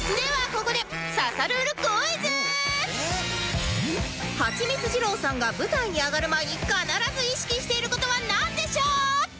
ここでハチミツ二郎さんが舞台に上がる前に必ず意識している事はなんでしょう？